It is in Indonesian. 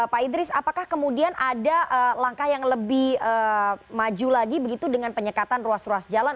pak idris apakah kemudian ada langkah yang lebih maju lagi begitu dengan penyekatan ruas ruas jalan